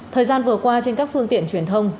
thời gian vừa qua trên các phương tiện truyền thông